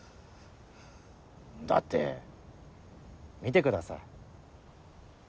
だって見てください。